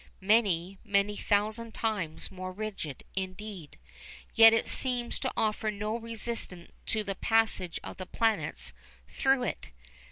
Many, many thousand times more rigid, indeed. Yet it seems to offer no resistance to the passage of the planets through it.